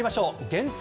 厳選！